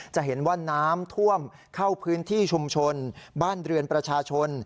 จะเห็นว่าน้ำท่วมเข้าพื้นที่ชุมชนบ้านเรือนประชาชน